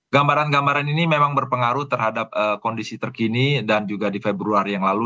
gambaran gambaran ini memang berpengaruh terhadap kondisi terkini dan juga di februari yang lalu